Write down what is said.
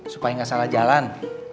supaya gak salah jalan